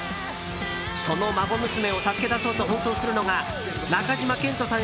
その孫娘を助け出そうと奔走するのが中島健人さん